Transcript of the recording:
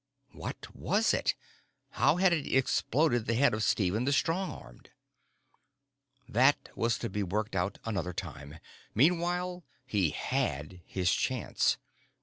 What was it? How had it exploded the head of Stephen the Strong Armed? That was to be worked out another time. Meanwhile, he had his chance.